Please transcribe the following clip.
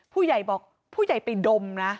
ผู้ใหญ่บอกผู้ใหญ่ไปดมนะ